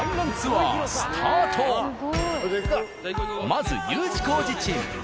まずＵ字工事チーム。